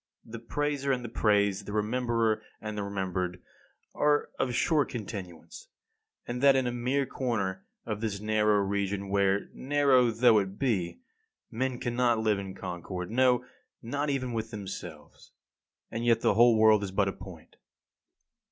The praiser and the praised, the rememberer and the remembered are of short continuance, and that in a mere corner of this narrow region, where, narrow though it be, men cannot live in concord, no, not even with themselves. And yet the whole world is but a point.